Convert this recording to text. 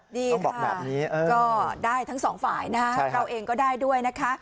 นี่ก็ได้ทั้งสองฝ่ายนะคะเราเองก็ได้ด้วยนะคะ